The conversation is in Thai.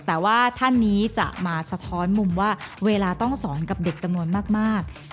แต่ว่าท่านนี้จะมาสะท้อนมุมว่าเวลาต้องสอนกับเด็กจำนวนมาก